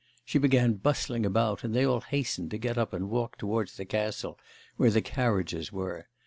She began bustling about, and they all hastened to get up and walk towards the castle, where the carriages were.